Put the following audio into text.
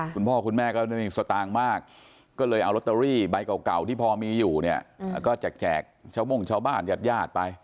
คุณพ่อคุณแม่ก็ไม่มีสตางค์มากก็เลยเอาลอตเตอรี่ใบเก่าที่พอมีอยู่เนี่ยก็แจกชาวโม่งชาวบ้านญาติญาติไป